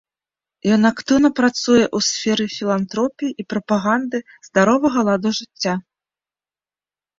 Ён актыўна працуе ў сферы філантропіі і прапаганды здаровага ладу жыцця.